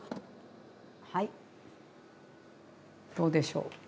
はいどうでしょう。